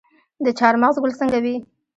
د چهارمغز ګل څنګه وي؟